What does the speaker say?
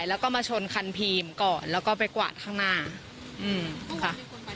แล้วก็มาชนคันพรีมก่อนแล้วก็ไปกวาดข้างหน้าค่ะ